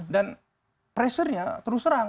dan pressure nya terus serang